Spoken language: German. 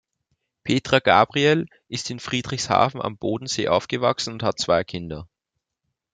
Petra Gabriel ist in Friedrichshafen am Bodensee aufgewachsen und hat zwei Kinder.